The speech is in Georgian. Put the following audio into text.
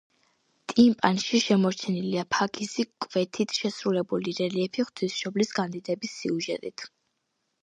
ტიმპანში შემორჩენილია ფაქიზი კვეთით შესრულებული რელიეფი ღვთისმშობლის განდიდების სიუჟეტით.